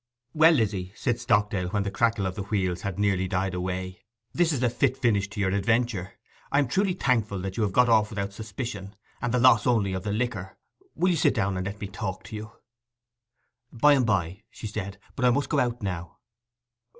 'Well, Lizzy,' said Stockdale, when the crackle of the wheels had nearly died away. 'This is a fit finish to your adventure. I am truly thankful that you have got off without suspicion, and the loss only of the liquor. Will you sit down and let me talk to you?' 'By and by,' she said. 'But I must go out now.